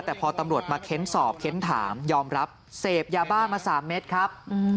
แต่พอตำรวจมาเค้นสอบเค้นถามยอมรับเสพยาบ้ามา๓เม็ดครับ